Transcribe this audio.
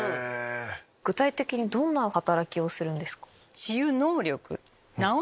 具体的にどんな働きをするんですか？